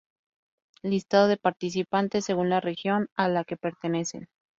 Listado de participantes según la región a la que pertenecen.